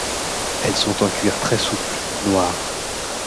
Elles sont en cuir très souple, noires.